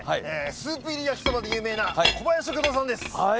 スープ入り焼そばで有名なこばや食堂さんです！